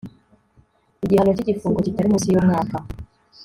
igihano cy igifungo kitari munsi y umwaka